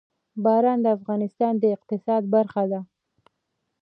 باران د افغانستان د اقتصاد برخه ده.